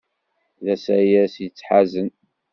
D asayes yettḥazen.